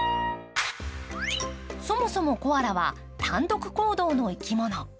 そもそもコアラは単独行動の生き物。